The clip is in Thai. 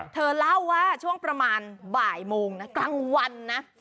เธอเล่าว่าช่วงประมาณบ่ายโมงนะกลางวันนะ